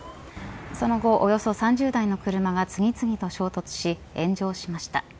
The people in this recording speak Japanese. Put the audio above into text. その後およそ３０台の車が次々と衝突し炎上しました。